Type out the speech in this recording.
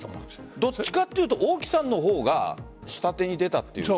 どっちかというと王毅さんの方が下手に出たという。